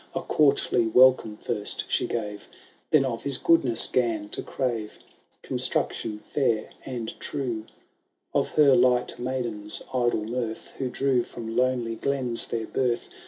^ A courtly welcome first she gave. Then of his goodness ^gan to crave Construction £Eur and true Of her light maidens* idle mirth, Who drew from lonely glens their birth.